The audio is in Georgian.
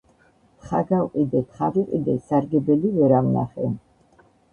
თხა გავყიდე, თხა ვიყიდე, სარგებელი ვერა ვნახე